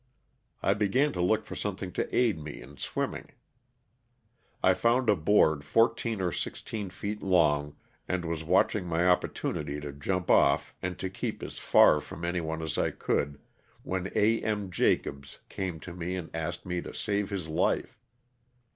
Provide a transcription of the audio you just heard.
I began to look for something to aid me in swimming. I found a board fourteen or sixteen feet long, and was watching my opportunity to jump off and to keep as far from anyone as I could, when A. M. Jacobs came to LOSS OF THE SULTANA. 89 me and asked me to save his life.